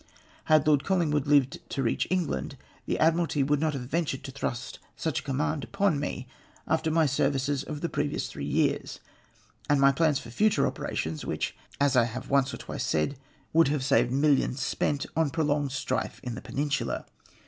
Had Lord CoUingwood hved to reach England the Ad miralty would not have ventured to thrust such a com mand upon me after my services of the previous three years and my plans for future operations, which, as I have once or twice said, would have saved miUions spent on prolonged strife in the Peninsula.